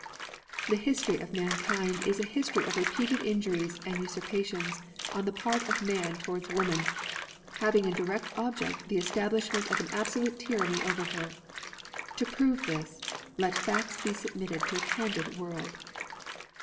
The history of mankind is a history of repeated injuries and usurpations on the part of man towards woman, having in direct object the establishment of an absolute tyranny over her. To prove this, let facts be submitted to a candid world.